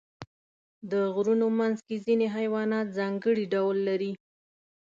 د غرونو منځ کې ځینې حیوانات ځانګړي ډول لري.